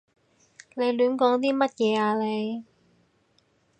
你亂講啲乜嘢啊你？